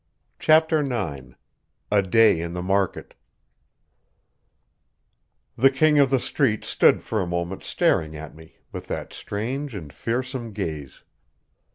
CHAPTER IX A DAY IN THE MARKET The King of the Street stood for a moment staring at me with that strange and fearsome gaze.